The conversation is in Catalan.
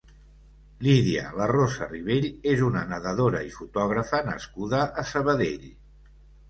Lídia Larrosa Ribell és una nedadora i fotògrafa nascuda a Sabadell.